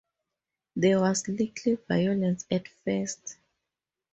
There was little violence at first.